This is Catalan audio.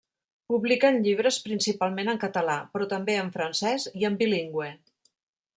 Publiquen llibres principalment en català, però també en francès i en bilingüe.